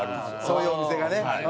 そういうお店がね。